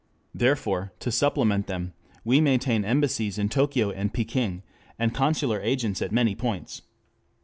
Therefore, to supplement them we maintain embassies in Tokio and Peking, and consular agents at many points.